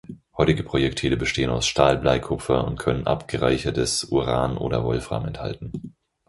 Heutige Projektile bestehen aus Stahl, Blei, Kupfer und können abgereichertes Uran oder Wolfram enthalten.